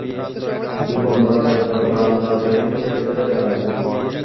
মুকুন্দলাল একবার বারান্দার রেলিং চেপে ধরে দাঁড়ালেন।